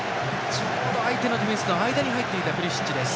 ちょうど相手ディフェンスの間に入っていたプリシッチです。